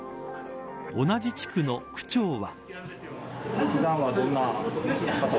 同じ地区の区長は。